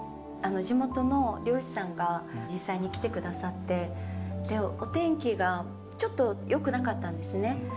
地元の漁師さんが実際に来てくださって、お天気がちょっとよくなかったんですね。